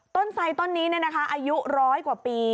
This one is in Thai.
ต้นทรายต้นนี้เนี่ยนะคะอายุร้อยกว่าปี